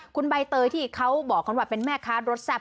คุณใบเตยที่เขาบอกกันว่าเป็นแม่ค้ารสแซ่บ